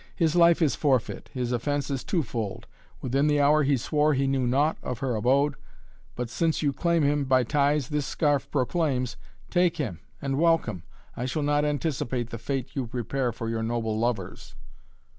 "His life is forfeit. His offence is two fold. Within the hour he swore he knew naught of her abode. But since you claim him, by ties this scarf proclaims take him and welcome! I shall not anticipate the fate you prepare for your noble lovers!"